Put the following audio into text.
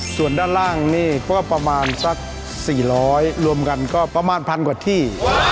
ส่วนด้านล่างนี่ก็ประมาณสัก๔๐๐รวมกันก็ประมาณพันกว่าที่